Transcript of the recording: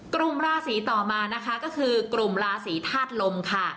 กลุ่มราศีต่อมานะคะก็คือกลุ่มราศีธาตุลมค่ะ